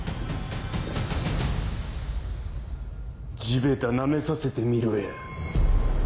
地べたなめさせてみろや。